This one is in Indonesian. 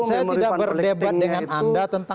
saya tidak berdebat dengan anda tentang itu pak pak sek